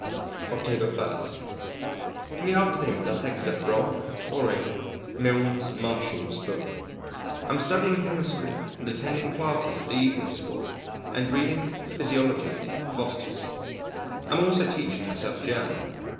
October 1. In the afternoon dissected a Frog, following Milnes Marshall's Book. Am studying Chemistry and attending classes at the Evening School and reading Physiology (Foster's). Am also teaching myself German.